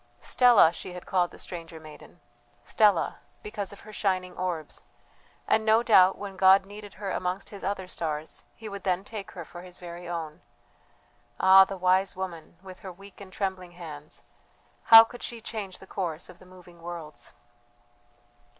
Stella she had called the stranger maiden Stella, because of her shining orbs; and no doubt when God needed her amongst His other stars, He would then take her for His very own. Ah, the wise woman, with her weak and trembling hands, how could she change the course of the moving worlds!